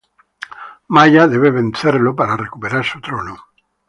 Maya debe vencerlo para recuperar su trono.